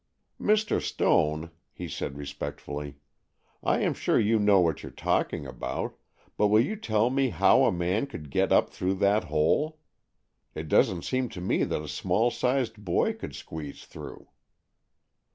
"Mr. Stone," he said respectfully, "I am sure you know what you're talking about, but will you tell me how a man could get up through that hole? It doesn't seem to me that a small sized boy could squeeze through."